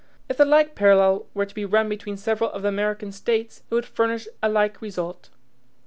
If the like parallel were to be run between several of the American States, it would furnish a like result.